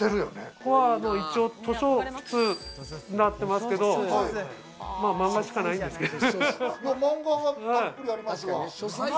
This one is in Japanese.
ここは図書室になってますけど、漫画しかないんですけど。